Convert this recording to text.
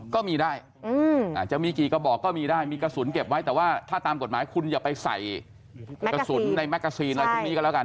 ก็มีได้อาจจะมีกี่กระบอกก็มีได้มีกระสุนเก็บไว้แต่ว่าถ้าตามกฎหมายคุณอย่าไปใส่กระสุนในแกซีนอะไรพวกนี้ก็แล้วกัน